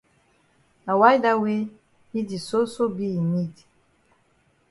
Na why dat wey yi di soso be in need.